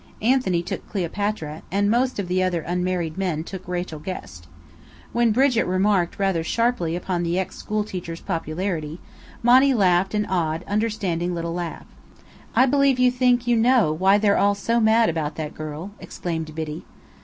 Anthony took Cleopatra, and most of the other unmarried men took Rachel Guest. When Brigit remarked rather sharply upon the ex school teacher's popularity, Monny laughed an odd, understanding little laugh. "I believe you think you know why they're all so mad about that girl!" exclaimed Biddy.